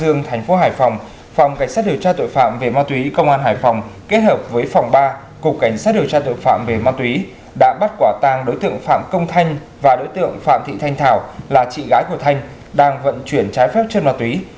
công an thành phố hải phòng phòng cảnh sát điều tra tội phạm về ma túy công an hải phòng kết hợp với phòng ba cục cảnh sát điều tra tội phạm về ma túy đã bắt quả tang đối tượng phạm công thanh và đối tượng phạm thị thanh thảo là chị gái của thanh đang vận chuyển trái phép chân ma túy